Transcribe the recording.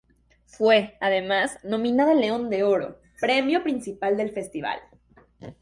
Fue, además, nominada al León de Oro, premio principal del Festival.